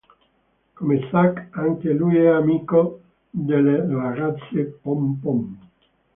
Come Zack anche lui è amico delle ragazze pon-pon.